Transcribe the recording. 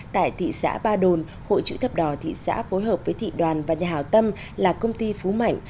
tại thị xã ba đồn hội chữ thập đỏ thị xã phối hợp với thị đoàn và nhà hào tâm là công ty phú mạnh